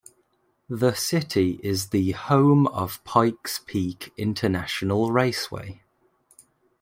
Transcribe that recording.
The city is the home of Pikes Peak International Raceway.